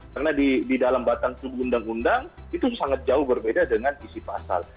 karena di dalam batang tubuh undang undang itu sangat jauh berbeda dengan isi pasal